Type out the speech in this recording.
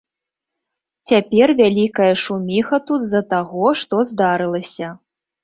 Цяпер вялікая шуміха тут з-за таго, што здарылася.